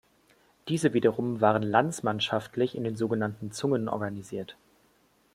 Diese wiederum waren landsmannschaftlich in den so genannten Zungen organisiert.